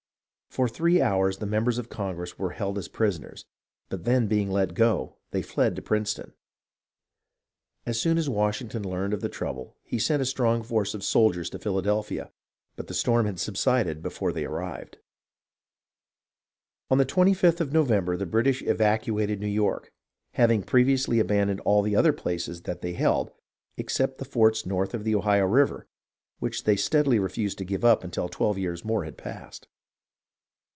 For three hours the members of Congress were held as prisoners ; but then being let go, they fled to Princeton. As soon as Washington learned of the trouble, he sent a strong force of soldiers to Philadelphia ; but the storm had subsided before they arrived. On the 25th of November, the British evacuated New York, having previously abandoned all the other places they held except the forts north of the Ohio River, which they steadily refused to give up until twelve years more had passed.